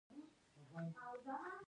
آیا ځواک د یو توکي د کار وسیله ده